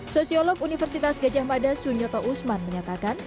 sosiolog universitas gajah mada sunyoto usman menyatakan